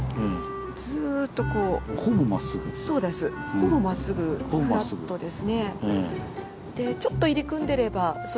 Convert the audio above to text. ほぼまっすぐフラットですね。